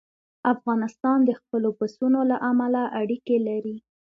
افغانستان د خپلو پسونو له امله اړیکې لري.